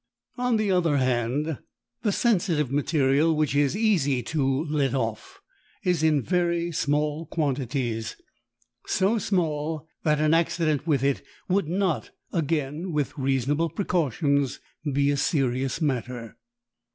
On the other hand, the sensitive material, which is easy to "let off," is in very small quantities, so small that an accident with it would not, again with reasonable precautions, be a serious matter.